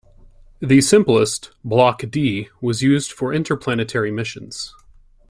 The simplest, Blok D, was used for interplanetary missions.